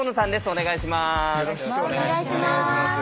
お願いします。